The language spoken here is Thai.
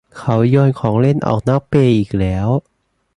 เขาโยนของเล่นออกนอกเปลอีกแล้ว